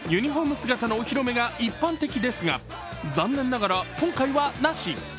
姿のお披露目が一般的ですが残念ながら今回はなし。